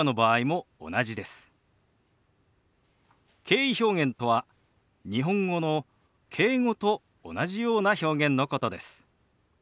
敬意表現とは日本語の「敬語」と同じような表現のことです。